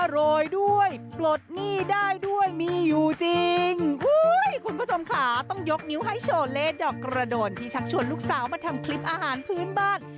โรยด้วยปลดหนี้ได้ด้วยมีอยู่จริงคุณผู้ชมค่ะต้องยกนิ้วให้โชเล่ดอกกระโดนที่ชักชวนลูกสาวมาทำคลิปอาหารพื้นบ้าน